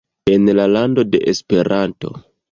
en la lando de Esperanto